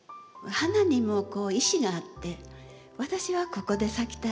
花にも意思があって私はここで咲きたい